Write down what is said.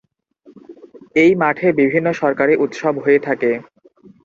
এই মাঠে বিভিন্ন সরকারি উৎসব হয়ে থাকে।